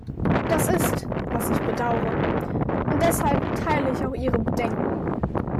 Das ist, was ich bedaure, und deshalb teile ich auch Ihre Bedenken.